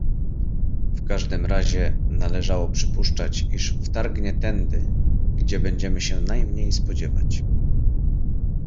"W każdym razie należało przypuszczać, iż wtargnie tędy, gdzie będziemy się najmniej spodziewać."